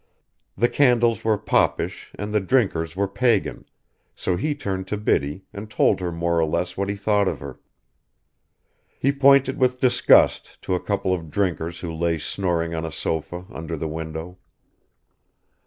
The candles were popish and the drinkers were pagan, so he turned on Biddy and told her more or less what he thought of her. He pointed with disgust to a couple of drinkers who lay snoring on a sofa under the window.